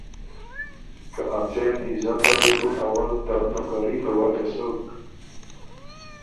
که اڅېن عزته وې بو اول ته نوکري په وجه سُک۔